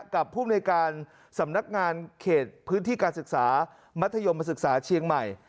ภูมิในการสำนักงานเขตพื้นที่การศึกษามัธยมศึกษาเชียงใหม่